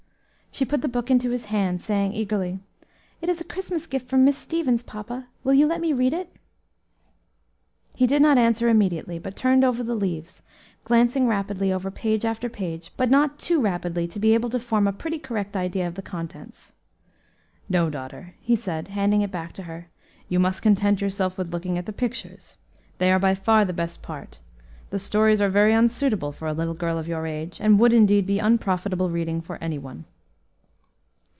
She put the book into his hand, saying eagerly, "It is a Christmas gift from Miss Stevens, papa; will you let me read it?" He did not answer immediately, but turned over the leaves, glancing rapidly over page after page, but not too rapidly to be able to form a pretty correct idea of the contents. "No, daughter," he said, handing it back to her, "you must content yourself with looking at the pictures; they are by far the best part; the stories are very unsuitable for a little girl of your age, and would, indeed, be unprofitable reading for any one."